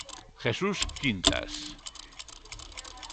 Jesús Quintas.